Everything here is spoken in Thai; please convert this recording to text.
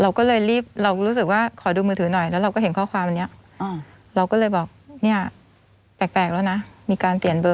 เราก็เลยรีบรู้สึกว่าขอดูมือถือน่ะ